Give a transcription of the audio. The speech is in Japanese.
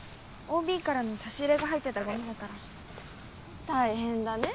ＯＢからの差し入れが入ってたゴミだから大変だね